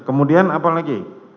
kemudian apa lagi